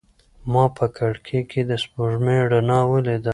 ما په کړکۍ کې د سپوږمۍ رڼا ولیده.